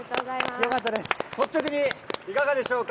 率直にいかがでしょうか。